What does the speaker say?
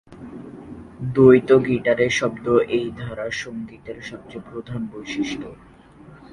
দ্বৈত গিটারের শব্দ এই ধারার সঙ্গীতের সবচেয়ে প্রধান বৈশিষ্ট্য।